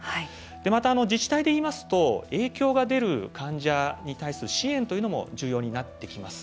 また自治体でいいますと影響が出る患者に対する支援というのも重要になってきます。